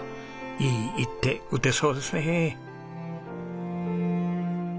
いい一手打てそうですね。